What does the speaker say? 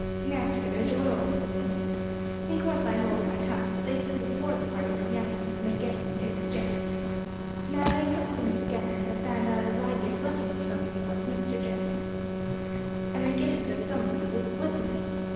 Now, sir, there's a row over the business. In course I holds my tongue; but they says as four of the party was young uns, and they guessed as they was gents. Now they puts things together, and have found out as I gives lessons to some of you Westminster gents, and they guesses as some of you was with me.